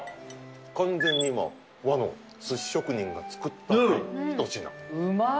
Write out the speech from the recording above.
完全に今和の寿司職人が作った一品うまい！